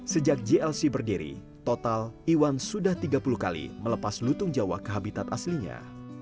sejak jlc berdiri total iwan sudah tiga puluh kali melepas lutung jawa ke habitat aslinya